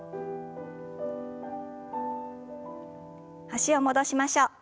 脚を戻しましょう。